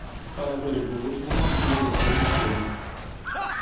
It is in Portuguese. Palavras boas não maculam o repolho.